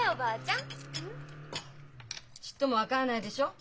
うん？ちっとも分からないでしょう。